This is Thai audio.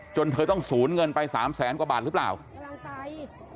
จนเธอต้องสูญเงินไปสามแสนกว่าบาทรึเปล่ากำลังไป